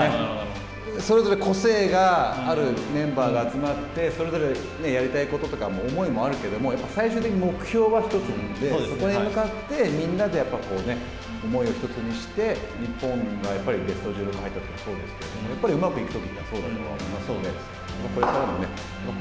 それぞれ個性があるメンバーが集まって、やりたいこととか、思いもあるけど、最終的な目標は１つなので、そこに向かって、みんなで思いを１つにして、日本がベスト１６に入ったときもそうですけど、やっぱりうまくいくときはそうだと思いますので、これからもね。